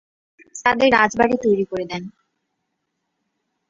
তাদের রাজ বাড়ি তৈরী করে দেন।